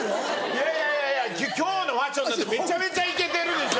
いやいやいやいや今日のファッションだってめちゃめちゃイケてるでしょ。